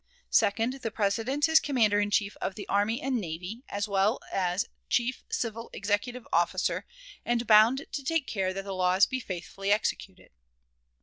Second, the President is Commander in Chief of the Army and Navy, as well as chief civil executive officer, and bound to take care that the laws be faithfully executed.